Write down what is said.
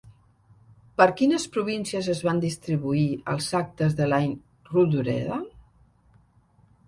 Per quines províncies es van distribuir els actes de l'any Rodoreda?